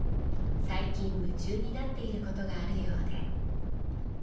最近夢中になっていることがあるようで。